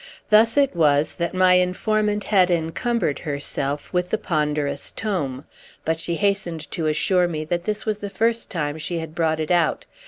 Thus it was that my informant had encumbered herself with the ponderous tome; but she hastened to assure me that this was the first time she had brought it out.